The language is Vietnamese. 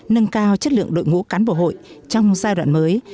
nâng cao chất lượng đội ngũ cán bộ hội trong giai đoạn mới